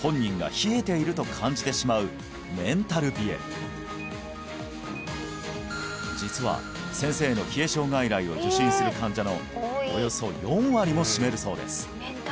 はい実は先生の冷え症外来を受診する患者のおよそ４割も占めるそうです